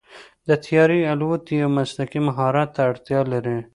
د طیارې الوت یو مسلکي مهارت ته اړتیا لري.